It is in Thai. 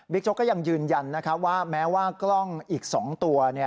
ปิ๊กโจ๊กก็ยังยืนยันนะครับว่าแม้ว่ากล้องอีก๒ตัว